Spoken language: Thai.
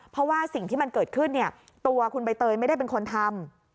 เพราะว่าสิ่งที่มันเกิดขึ้นเนี่ยตัวคุณใบเตยไม่ได้เป็นคนทำ